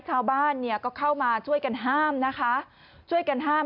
ชาวบ้านเนี่ยก็เข้ามาช่วยกันห้ามนะคะช่วยกันห้าม